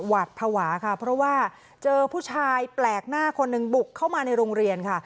หวัดภาวะค่ะเพราะว่าเจอผู้ชายแปลกหน้าคนหนึ่งบุกเข้ามาในโรงเรียนค่ะ